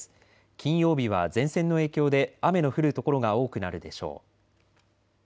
金曜日は前線の影響で雨の降る所が多くなるでしょう。